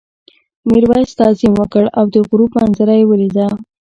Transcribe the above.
میرويس تعظیم وکړ او د غروب منظره یې ولیده.